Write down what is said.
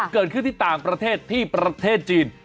เกิดขึ้นที่ต่างประเทศที่ประเทศจีน